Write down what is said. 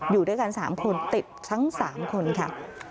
อยู่ด้วยกัน๓คนติดทั้ง๓คนค่ะ